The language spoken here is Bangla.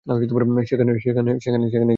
সেখানে কি হচ্ছে?